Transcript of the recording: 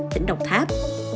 tỉnh đồng tháp